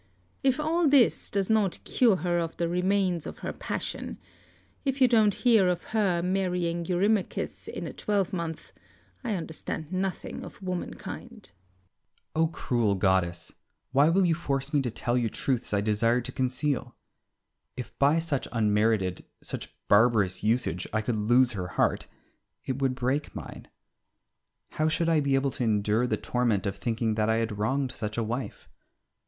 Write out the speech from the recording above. If all this does not cure her of the remains of her passion, if you don't hear of her marrying Eurymachus in a twelvemonth, I understand nothing of womankind. Ulysses. O cruel goddess! why will you force me to tell you truths I desire to conceal? If by such unmerited, such barbarous usage I could lose her heart it would break mine. How should I be able to endure the torment of thinking that I had wronged such a wife?